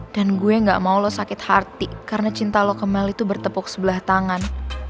dan gue gak mau lo sakit hati karena cinta lo ke mel itu bertepuk sebelah tangan